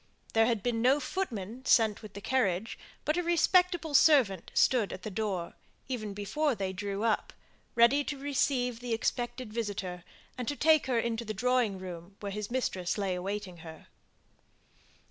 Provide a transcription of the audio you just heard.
There had been no footman sent with the carriage, but a respectable servant stood at the door, even before they drew up, ready to receive the expected visitor, and take her into the drawing room where his mistress lay awaiting her.